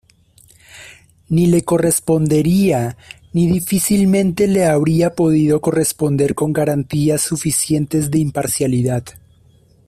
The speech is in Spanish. Ni le correspondería ni difícilmente le habría podido corresponder con garantías suficientes de imparcialidad.